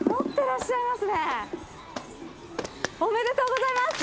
おめでとうございます。